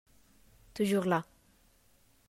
Toujours là